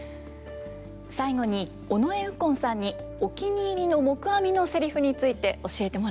最後に尾上右近さんにお気に入りの黙阿弥のセリフについて教えてもらいました。